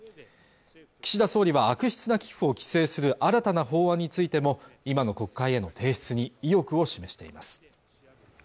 岸田総理は悪質な寄付を規制する新たな法案についても今の国会への提出に意欲を示しています